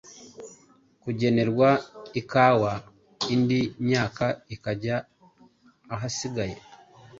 kugenerwa ikawa indi myaka ikajya ahasigaye